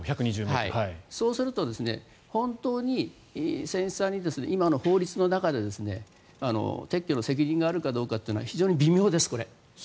そうすると本当に船主さんに今の法律の中で撤去の責任があるかどうかは微妙です。